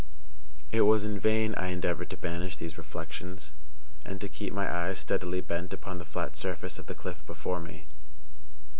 It was in vain I endeavored to banish these reflections, and to keep my eyes steadily bent upon the flat surface of the cliff before me.